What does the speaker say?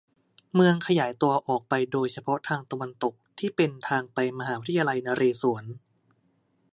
เมืองขยายตัวออกไปโดยเฉพาะทางตะวันตกที่เป็นทางไปมหาวิทยาลัยนเรศวร